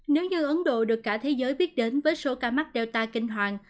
nếu như ấn độ được cả thế giới biết đến với số ca mắc delta kinh hoàng